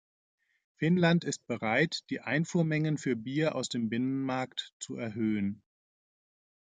Finnland ist bereit, die Einfuhrmengen für Bier aus dem Binnenmarkt zu erhöhen.